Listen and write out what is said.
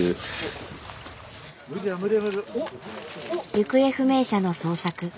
行方不明者の捜索。